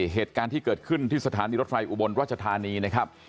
เหตุการณ์ที่เกิดขึ้นที่สถานีรถไฟอุบลราชธานีนะครับ